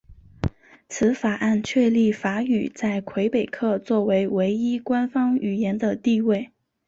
此法案确立法语在魁北克作为唯一官方语言的地位。